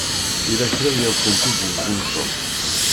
Yella kra i akent-id-yuzen Tom.